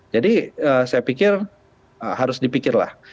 jadi saya pikir harus dipikirlah